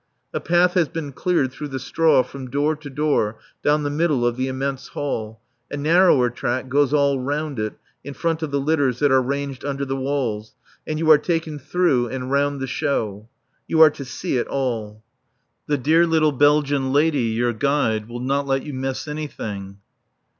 A path has been cleared through the straw from door to door down the middle of the immense hall, a narrower track goes all round it in front of the litters that are ranged under the walls, and you are taken through and round the Show. You are to see it all. The dear little Belgian lady, your guide, will not let you miss anything.